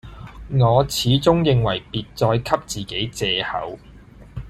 我始終認為別再給自己借口，